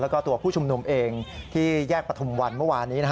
แล้วก็ตัวผู้ชุมนุมเองที่แยกประทุมวันเมื่อวานนี้